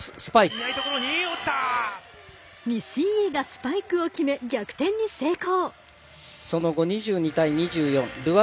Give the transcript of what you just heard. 西家がスパイクを決め逆転に成功。